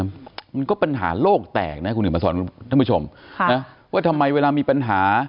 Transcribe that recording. มันมันก็ปัญหาโลกแตกนะคุณเห็นมาสอนท่านผู้ชมค่ะนะว่าทำไมเวลามีปัญหา